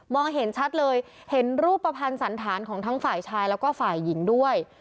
เห็นชัดเลยเห็นรูปภัณฑ์สันธารของทั้งฝ่ายชายแล้วก็ฝ่ายหญิงด้วย